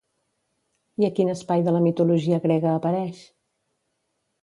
I a quin espai de la mitologia grega apareix?